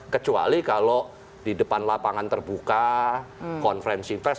kecuali kalau di depan lapangan terbuka konferensi pers